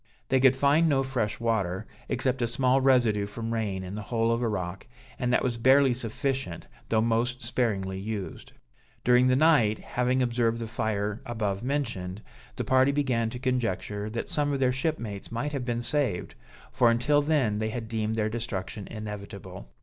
They could find no fresh water, except a small residue from rain in the hole of a rock, and that was barely sufficient though most sparingly used. During the night, having observed the fire above mentioned, the party began to conjecture that some of their shipmates might have been saved, for until then they had deemed their destruction inevitable.